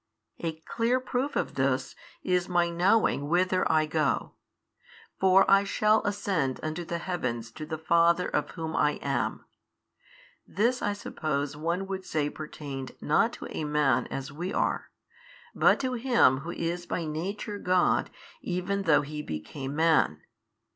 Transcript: A clear proof of this, is My knowing whither I go: for I shall ascend unto the heavens to the Father of Whom I am. This I suppose one would say pertained not to a man as we are, but to Him Who is by Nature God even though He became Man.